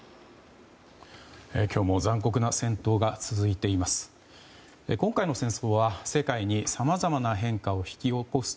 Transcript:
今日も残酷な戦闘が続いています。